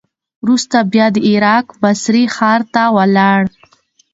وروسته بیا د عراق بصرې ښار ته ولاړ.